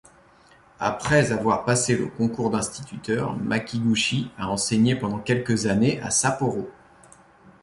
Après avoir passé le concours d'instituteur, Makiguchi a enseigné pendant quelques années à Sapporo.